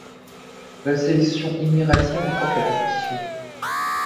La sélection émirati remporte la compétition.